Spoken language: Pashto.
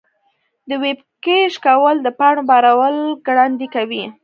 د ویب کیش کول د پاڼو بارول ګړندي کوي.